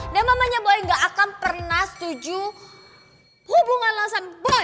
dan mamanya boy gak akan pernah setuju hubungan lo sama boy